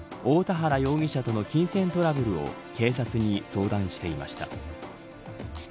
被害女性は、大田原容疑者との金銭トラブルを警察に相談していました。